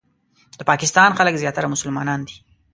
د پاکستان خلک زیاتره مسلمانان دي.